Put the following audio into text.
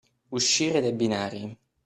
Uscire dai binari.